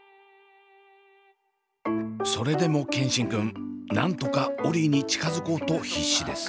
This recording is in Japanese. それでも健新くんなんとかオリィに近づこうと必死です。